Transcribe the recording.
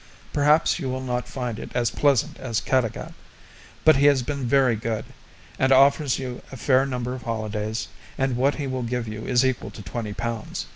Perhaps you will not find it as pleasant as Caddagat; but he has been very good, and offers you a fair number of holidays, and what he will give you is equal to 20 pounds.